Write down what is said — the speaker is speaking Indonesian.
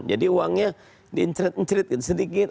jadi uangnya diencret encret sedikit